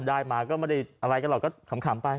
ได้มาก็ไม่ได้อะไรกันหรอกก็ขำไป